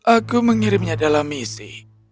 aku mengirimnya dalam misi